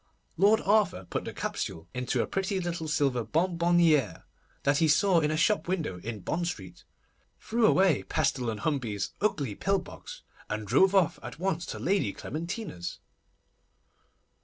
Lord Arthur put the capsule into a pretty little silver bonbonnière that he saw in a shop window in Bond Street, threw away Pestle and Hambey's ugly pill box, and drove off at once to Lady Clementina's.